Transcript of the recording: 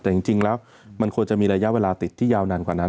แต่จริงแล้วมันควรจะมีระยะเวลาติดที่ยาวนานกว่านั้น